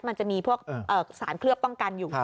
มันจะมีพวกสารเคลือบป้องกันอยู่